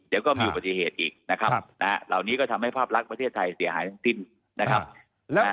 เดี๋ยวก็มีปฏิเสธอีกนะครับแล้วนี้ก็ทำให้ภาพลักษณ์ประเทศไทยเสียหายติ้นนะครับ